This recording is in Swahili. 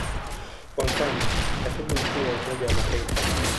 Kwa mfano, Katibu Mkuu wa Umoja wa Mataifa.